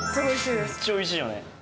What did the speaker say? めっちゃおいしいよね。